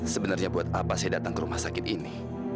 sebenarnya buat apa saya datang ke rumah sakit ini